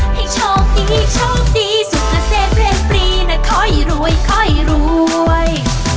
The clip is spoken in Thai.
ให้ชอบดีชอบดีสุขเศษเพลงปรีนะคอยรวยคอยรวย